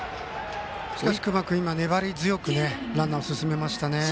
しかし隈君粘り強くランナーを進めました。